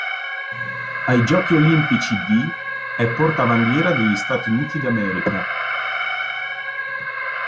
Ai Giochi olimpici di è portabandiera per gli Stati Uniti d'America.